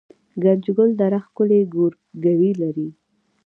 ګنجګل دره ښکلې ګورګوي لري